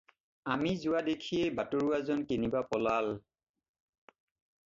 আমি যোৱা দেখিয়েই বাটৰুৱাজন কেনিবা পলাল।